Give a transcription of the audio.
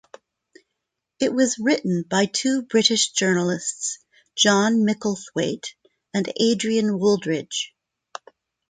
It was written by two British journalists, John Micklethwait and Adrian Wooldridge.